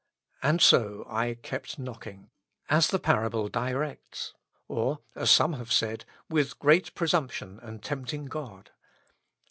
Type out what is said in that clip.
And so I kept knocking, as the parable directs, or, as some have said, with great presumption and tempting God.